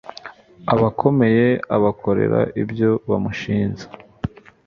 abakomeye abakorera ibyo bamushinze